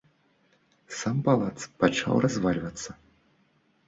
Сам палац пачаў развальвацца.